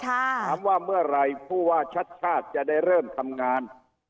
ถามว่าเมื่อไหร่ผู้ว่าชัดชาติจะได้เริ่มทำงาน